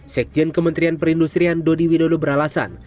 sekjen kementerian perindustrian dodi widodo beralasan